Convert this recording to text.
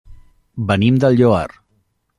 Venim del Lloar.